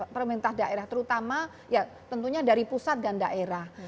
pemerintah daerah terutama ya tentunya dari pusat dan daerah